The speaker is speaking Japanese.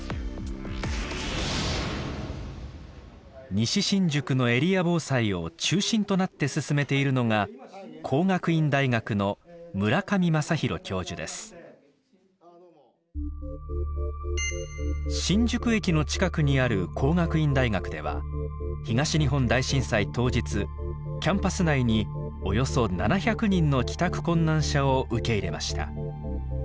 西新宿のエリア防災を中心となって進めているのが新宿駅の近くにある工学院大学では東日本大震災当日キャンパス内におよそ７００人の帰宅困難者を受け入れました。